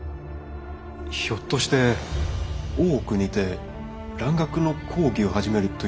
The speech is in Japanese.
ひょっとして大奥にて蘭学の講義を始めるというのは。